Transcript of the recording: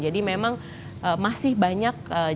jadi memang masih banyak diperlukan